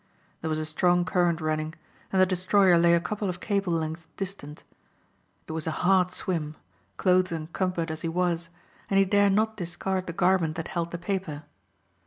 There was a strong current running and the destroyer lay a couple of cable lengths distant. It was a hard swim, clothes encumbered as he was, and he dare not discard the garment that held the paper.